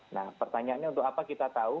nah pertanyaannya untuk apa kita tahu